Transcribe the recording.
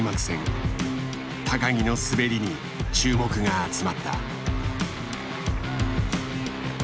木の滑りに注目が集まった。